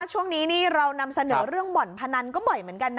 ช่วงนี้นี่เรานำเสนอเรื่องบ่อนพนันก็บ่อยเหมือนกันนะ